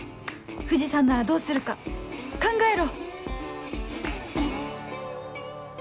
藤さんならどうするか考えろ！